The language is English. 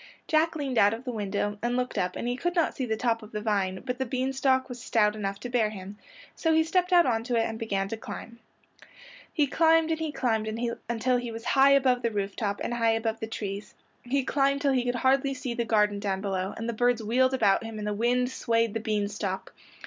Jack leaned out of the window and looked up and he could not see the top of the vine, but the bean stalk was stout enough to bear him, so he stepped out onto it and began to climb. He climbed and he climbed until he was high above the roof top and high above the trees. He climbed till he could hardly see the garden down below, and the birds wheeled about him and the wind swayed the bean stalk.